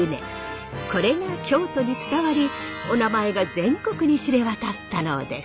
これが京都に伝わりおなまえが全国に知れ渡ったのです。